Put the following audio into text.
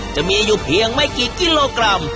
จะมีอยู่เพียงไม่กี่กิโลกรัม